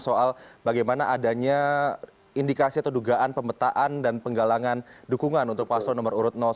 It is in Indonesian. soal bagaimana adanya indikasi atau dugaan pemetaan dan penggalangan dukungan untuk paslon nomor urut satu